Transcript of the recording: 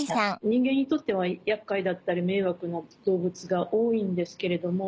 人間にとっては厄介だったり迷惑な動物が多いんですけれども。